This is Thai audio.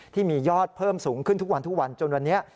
ที่มียอดเพิ่มสูงขึ้นทุกวันทุกวันจนวันนี้